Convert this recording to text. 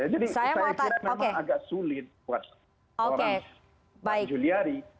jadi saya kira memang agak sulit buat orang pak juliari